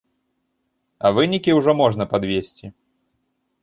А вынікі ўжо можна падвесці.